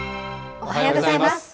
おはようございます。